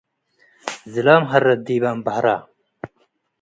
ዝላም ሀረት ዲበ እምበሀረ